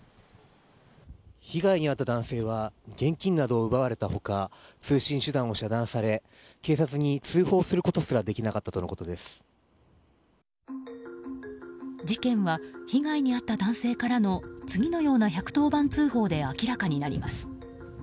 被害に遭った男性は現金などを奪われた他通信手段を遮断され警察に通報することすら事件は被害に遭った男性からの次のような１１０番通報で明らかになります。